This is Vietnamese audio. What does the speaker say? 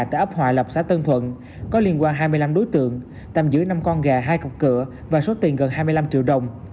tại ấp hòa lập xã tân thuận có liên quan hai mươi năm đối tượng tạm giữ năm con gà hai cặp cửa và số tiền gần hai mươi năm triệu đồng